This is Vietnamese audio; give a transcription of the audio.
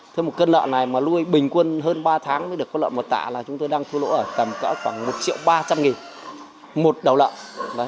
thế một cân lợn này mà nuôi bình quân hơn ba tháng mới được có lợn một tạ là chúng tôi đang thua lỗ ở tầm cỡ khoảng một triệu ba trăm linh nghìn một đầu lợn